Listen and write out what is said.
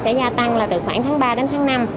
sẽ gia tăng là từ khoảng tháng ba đến tháng năm